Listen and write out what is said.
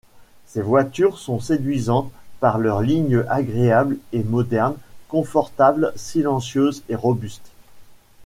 Ces voitures sont séduisantes par leur ligne agréable et moderne, confortables, silencieuses et robustes.